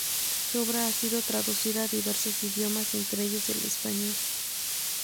Su obra ha sido traducida a diversos idiomas, entre ellos el español.